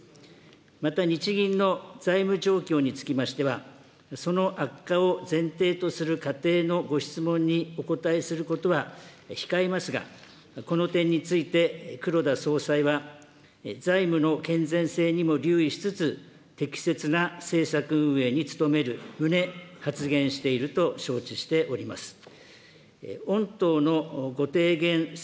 また日銀の財務状況につきましては、その悪化を前提とする仮定のご質問にお答えすることは控えますが、この点について黒田総裁は、財務の健全性にも留意しつつ、適切な政策運営に努める旨、発言していると承知しております。